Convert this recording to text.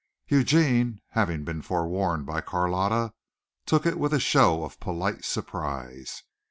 Eugene, having been forewarned by Carlotta, took it with a show of polite surprise.